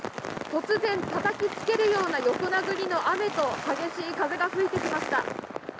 突然、たたきつけるような横殴りの雨と激しい風が吹いてきました。